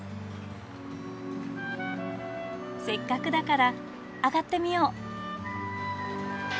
せっかくだから上がってみよう。